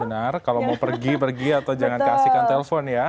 benar kalau mau pergi pergi atau jangan kasihkan telpon ya